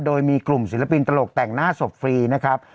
โดยมีกลุ่มศิลปินตลกแต่งหน้าศพฟรีนะครับ